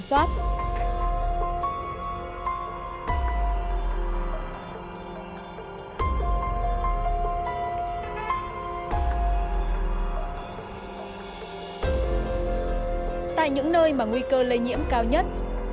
đây là những nơi mà nguy cơ lây nhiễm cao nhất